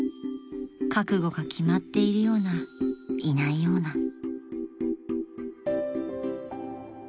［覚悟が決まっているようないないような］